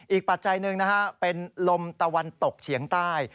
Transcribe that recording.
ปัจจัยหนึ่งนะฮะเป็นลมตะวันตกเฉียงใต้